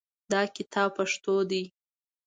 دا کتاب پښتو دی